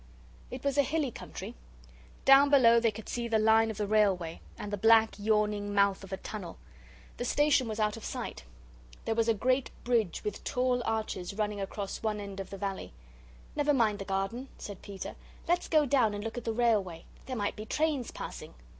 It was a hilly country. Down below they could see the line of the railway, and the black yawning mouth of a tunnel. The station was out of sight. There was a great bridge with tall arches running across one end of the valley. "Never mind the garden," said Peter; "let's go down and look at the railway. There might be trains passing."